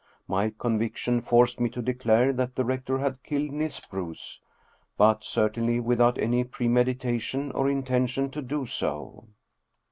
My conviction forced me to declare that the rector had killed Niels Bruus, but certainly without any premeditation or intention to do so.